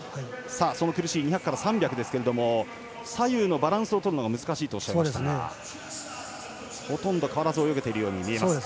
苦しい２００から３００ですが左右のバランスを取るのが難しいとおっしゃいましたがほとんど変わらず泳げているように見えます。